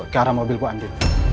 ke arah mobil pak andi